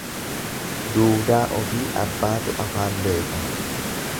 Duudaa ofii abbaatu afaan beeka.